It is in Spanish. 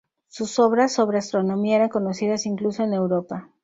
Sus obras sobre astronomía eran conocidas incluso en Europa.